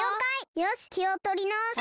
よしきをとりなおして。